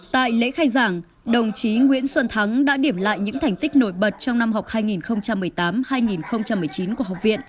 tại lễ khai giảng đồng chí nguyễn xuân thắng đã điểm lại những thành tích nổi bật trong năm học hai nghìn một mươi tám hai nghìn một mươi chín của học viện